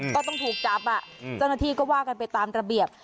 ก็ต้องถูกจับเจ้าหน้าที่ก็ว่ากันไปตามระเบียบ